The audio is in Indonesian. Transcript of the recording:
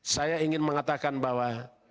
saya ingin mengatakan bahwa